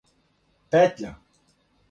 петља